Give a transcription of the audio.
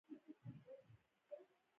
باقي پاته کسان یې کندهار ته ورسېدل.